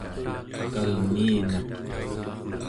kalmiinaq